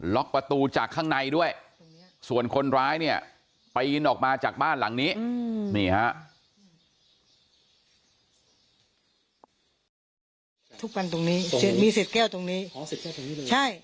ประตูจากข้างในด้วยส่วนคนร้ายเนี่ยปีนออกมาจากบ้านหลังนี้นี่ฮะ